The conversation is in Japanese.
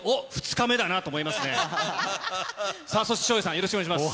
よろしくお願いします。